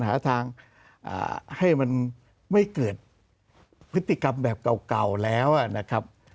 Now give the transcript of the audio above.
หาทางให้มันไม่เกิดพฤติกรรมแบบเก่าแล้วนะครับ